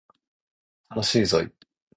楽しいぞい